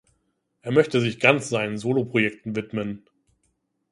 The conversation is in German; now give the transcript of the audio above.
Er möchte sich ganz seinen Soloprojekten widmen.